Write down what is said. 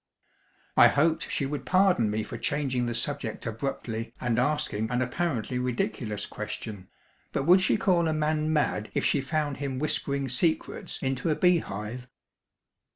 I hoped she would pardon me for changing the subject abruptly and asking an apparently ridiculous question, but would she call a man mad if she found him whispering secrets into a bee hive?